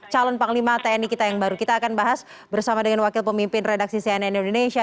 calon panglima tni kita yang baru kita akan bahas bersama dengan wakil pemimpin redaksi cnn indonesia